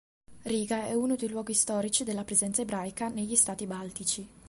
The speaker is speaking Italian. Riga è uno dei luoghi storici della presenza ebraica negli stati baltici.